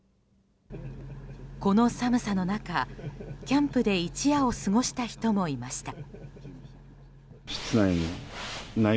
この寒さの中、キャンプで一夜を過ごした人もいました。